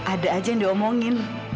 ada aja yang diomongin